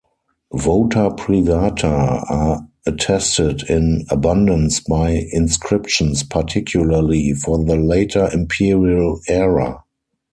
"Vota privata" are attested in abundance by inscriptions, particularly for the later Imperial era.